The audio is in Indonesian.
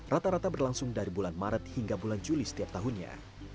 rata rata berlangsung dari bulan maret hingga bulan juli setiap tahunnya